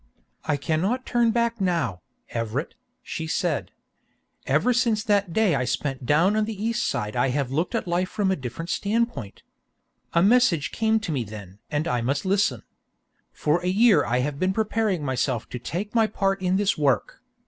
"I can not turn back now, Everett," she said. "Ever since that day I spent down on the east side I have looked at life from a different standpoint. A message came to me then and I must listen. For a year I have been preparing myself to take my part in this work.